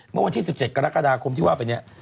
เมื่อวันที่๑๗กรกฎาคมที่ว่าไปเนี่ย